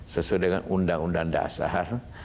sesuai dengan undang undang dasar